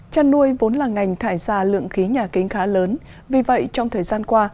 chăn nuôi vốn là ngành thải ra lượng khí nhà kính khá lớn vì vậy trong thời gian qua